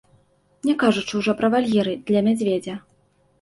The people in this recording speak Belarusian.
Не кажучы ўжо пра вальеры для мядзведзя.